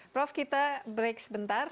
prof kita break sebentar